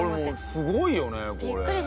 小峠：すごいよね、これ。